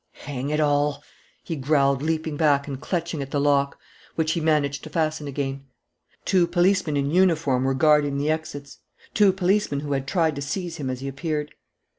"Hang it all!" he growled, leaping back and clutching at the lock, which he managed to fasten again. Two policemen in uniform were guarding the exit, two policemen who had tried to seize him as he appeared.